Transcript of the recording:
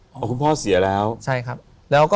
คุณพ่อเสียแล้ว